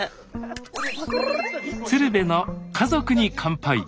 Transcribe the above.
「鶴瓶の家族に乾杯」。